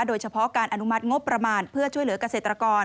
โดยเฉพาะการอนุมัติงบประมาณเพื่อช่วยเหลือกเกษตรกร